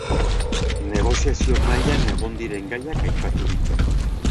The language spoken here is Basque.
Negoziazio mahaian egon diren gaiak aipatu ditu.